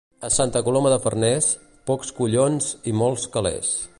A Santa Coloma de Farners, pocs collons i molts calés.